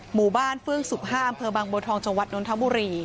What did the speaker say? หมู่บ้านเฟื้งศุกร์ห้ามเผอิบังโบทองจังหวัฒน์นทบุรี